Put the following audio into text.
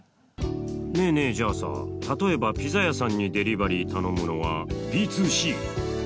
ねえねえじゃあさ例えばピザ屋さんにデリバリー頼むのはＢ２Ｃ。